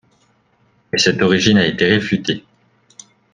Mais cette origine a été réfutée.